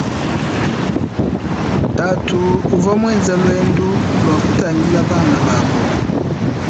Tatu uvwa mwenza lwendu lwa kutangila bana babo.